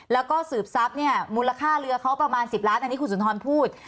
แล้วก็สืบทรัพย์เนี่ยมูลค่าเรือเขาประมาณ๑๐ล้านอันนี้คุณสุนทรพูด